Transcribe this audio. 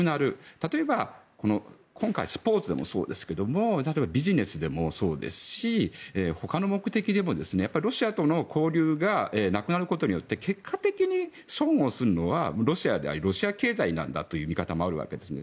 例えば今回、スポーツでもそうですけど例えばビジネスでもそうですしほかの目的でもロシアとの交流がなくなることによって結果的に損をするのはロシアでありロシア経済なんだという見方もあるわけですね。